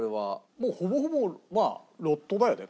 もうほぼほぼまあロットだよね。